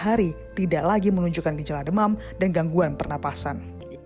hari tidak lagi menunjukkan gejala demam dan gangguan pernapasan